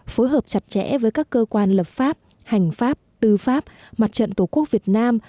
phối hợp chặt chẽ với các cơ quan lập pháp hành pháp tư pháp mặt trận tổ quốc việt nam